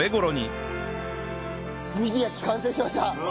炭火焼き完成しました！